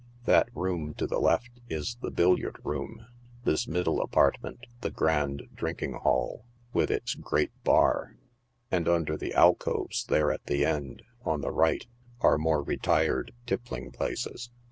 That room to the left is the billiard room ; this middle apart ment the grand drinking hall, with its great bar ; and under the alcoves there at the end, on the right, are more retired tippling places.